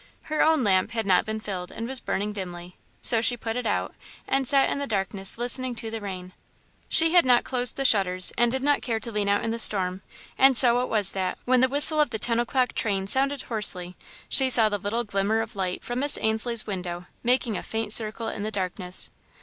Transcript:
Her own lamp had not been filled and was burning dimly, so she put it out and sat in the darkness, listening to the rain. She had not closed the shutters and did not care to lean out in the storm, and so it was that, when the whistle of the ten o'clock train sounded hoarsely, she saw the little glimmer of light from Miss Ainslie's window, making a faint circle in the darkness.